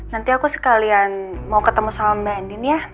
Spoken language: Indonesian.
nanti aku sekalian mau ketemu sama mbak andin ya